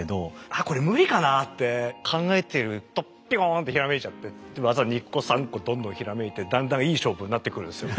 あっこれ無理かなって考えてるとピコーンって閃いちゃってで技２個３個どんどん閃いてだんだんいい勝負になってくるんですよ。